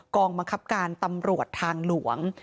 กองบังคับการตำรวจทางหลวง